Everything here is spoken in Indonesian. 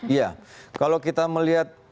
iya kalau kita melihat